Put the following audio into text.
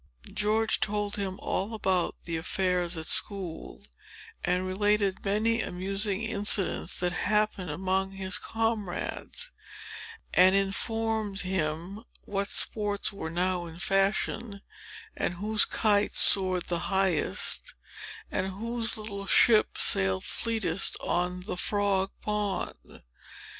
George told him all about the affairs at school, and related many amusing incidents that happened among his comrades, and informed him what sports were now in fashion, and whose kite soared the highest, and whose little ship sailed fleetest on the Frog Pond.